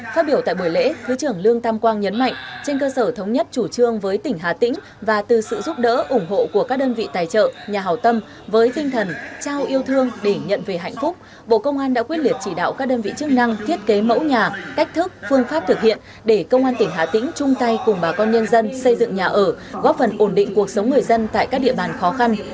phát biểu tại buổi lễ thứ trưởng lương tam quang nhấn mạnh trên cơ sở thống nhất chủ trương với tỉnh hà tĩnh và từ sự giúp đỡ ủng hộ của các đơn vị tài trợ nhà hào tâm với tinh thần trao yêu thương để nhận về hạnh phúc bộ công an đã quyết liệt chỉ đạo các đơn vị chức năng thiết kế mẫu nhà cách thức phương pháp thực hiện để công an tỉnh hà tĩnh chung tay cùng bà con nhân dân xây dựng nhà ở góp phần ổn định cuộc sống người dân tại các địa bàn khó khăn